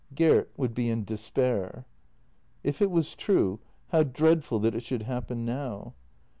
Gert would be in despair. If it was true, how dreadful that it should happen now.